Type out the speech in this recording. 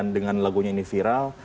dengan lagunya ini viral